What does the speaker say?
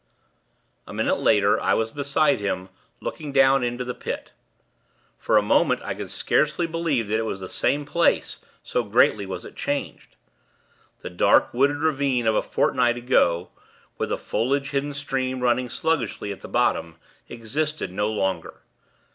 A minute later, I was beside him, looking down into the Pit. For a moment, I could scarcely believe that it was the same place, so greatly was it changed. The dark, wooded ravine of a fortnight ago, with a foliage hidden stream, running sluggishly, at the bottom, existed no longer.